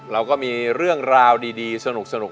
เราก็มีเรื่องราวดีสนุก